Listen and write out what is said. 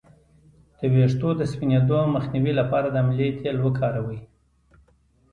د ویښتو د سپینیدو مخنیوي لپاره د املې تېل وکاروئ